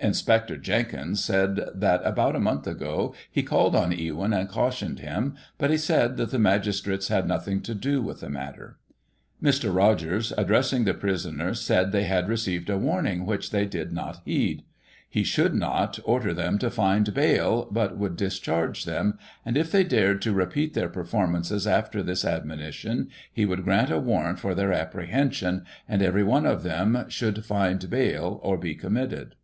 Inspector Jenkins said that, about a month ago, he called on Ewyn and cautioned him, but he said that the magistrates had nothing to do with the matter. Mr. Rogers, addressing the prisoners, said they had received a warning which they did not heed. He should not order them to find bail, but would discharge them; and, if they dared to repeat their performances after this admonition, he would grant a warrant for their apprehension, and every one of them should find bail, or be committed.